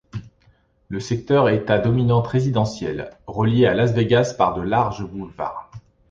Le secteur est à dominante résidentielle, reliée à Las Vegas par de larges boulevards.